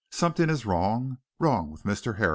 Something is wrong wrong with Mr. Herapath."